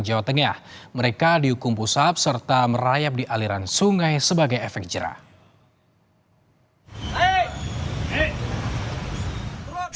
jawa tengah mereka dihukum pusat serta merayap di aliran sungai sebagai efek jerah